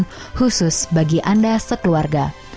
kami akan mencari penyelesaian khusus bagi anda sekeluarga